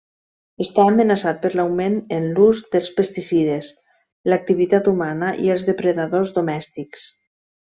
Està amenaçat per l'augment en l'ús dels pesticides, l'activitat humana i els depredadors domèstics.